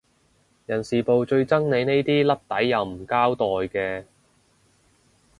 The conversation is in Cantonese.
人事部最憎你呢啲甩底又唔交代嘅